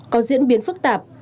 có diễn biến phức tạp